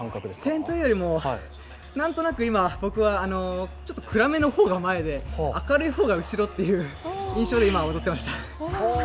点というよりも、なんとなく今、僕はちょっと暗めの方が前で、明るい方が後ろっていう印象で今、踊ってました。